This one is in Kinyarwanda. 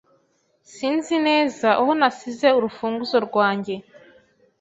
Sinzi neza aho nasize urufunguzo rwanjye,